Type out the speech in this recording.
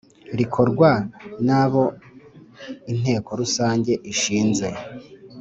rikorwa n abo Inteko Rusange ishinze